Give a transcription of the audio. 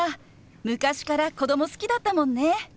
昔から子供好きだったもんね。